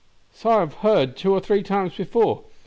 "So I have heard two or three times before.